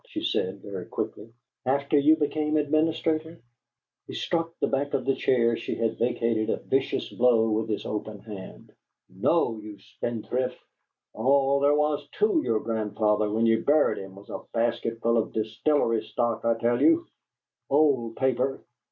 she said, very quickly. "After you became administrator?" He struck the back of the chair she had vacated a vicious blow with his open hand. "No, you spendthrift! All there was TO your grandfather when you buried him was a basket full of distillery stock, I tell you! Old paper!